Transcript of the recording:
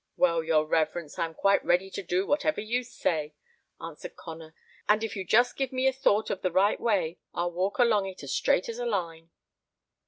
"Well, your reverence, I am quite ready to do whatever you say," answered Connor; "and if you just give me a thought of the right way I'll walk along it as straight as a line."